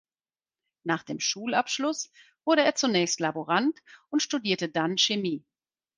Nach dem Schulabschluss wurde er zunächst Laborant und studierte dann Chemie.